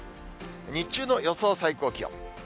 日中の予想最高気温。